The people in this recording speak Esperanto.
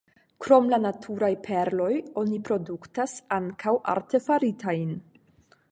Krom la naturaj perloj oni produktas ankaŭ artefaritajn.